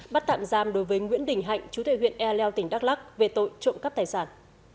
bắt tạm giam đối với nguyễn đình hạnh chú thầy huyện e leo tỉnh đắk lắc về tội trộm cắp tài sản